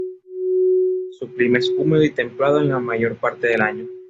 Su clima es húmedo y templado en la mayor parte del año.